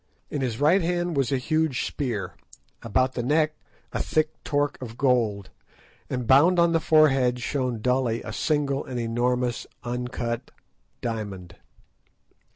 In his right hand was a huge spear, about the neck a thick torque of gold, and bound on the forehead shone dully a single and enormous uncut diamond.